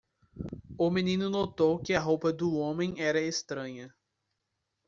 O menino notou que a roupa do homem era estranha.